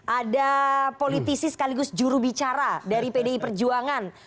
ada politisi sekaligus jurubicara dari pdi perjuangan